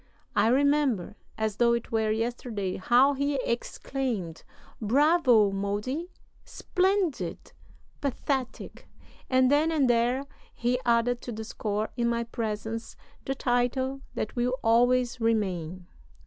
I remember, as though it were yesterday, how he exclaimed: 'Bravo, Modi, splendid! Pathetic!' And then and there he added to the score, in my presence, the title that will always remain."